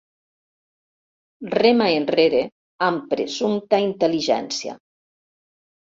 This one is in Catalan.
Rema enrere amb presumpta intel·ligència.